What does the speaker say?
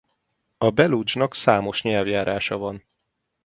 A beludzsnak számos nyelvjárása van.